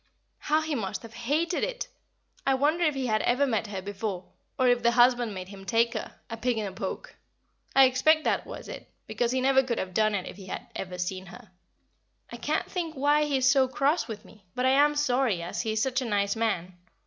How he must have hated it! I wonder if he had ever met her before, or if the husband made him take her, a pig in a poke. I expect that was it, because he never could have done it if he had ever seen her. I can't think why he is so cross with me, but I am sorry, as he is such a nice man.